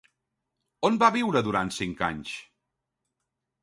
On va viure durant cinc anys?